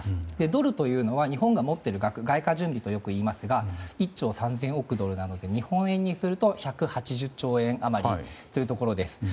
ドルというのは日本が持っている額外貨準備とよく言いますが１兆３０００億ドルなので日本円にすると１８０兆円余りというところです。